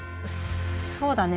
そうだね。